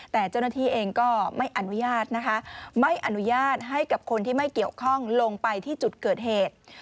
แต่เจ้าหน้าที่เองก็ไม่อนุญาตนะคะไม่อนุญาตให้กับคนที่ไม่เกี่ยวข้องลงไปที่จุดเกิดเหตุ